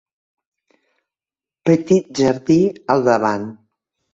Petit jardí al davant.